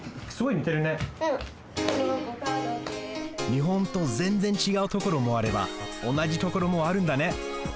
日本とぜんぜんちがうところもあればおなじところもあるんだね。